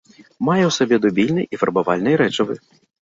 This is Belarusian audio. Мае ў сабе дубільныя і фарбавальныя рэчывы.